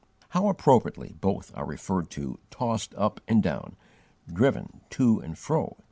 How appropriately both are referred to "tossed" up and down, "driven" to and fro!